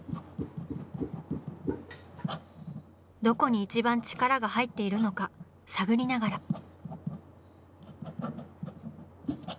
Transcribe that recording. どこに一番力が入っているのか探りながら。